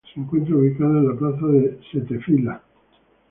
Se encuentra ubicada en la Plaza de Setefilla.